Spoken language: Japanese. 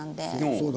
そうだ。